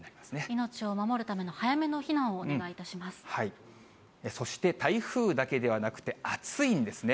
命を守るための早めの避難をそして、台風だけではなくて、暑いんですね。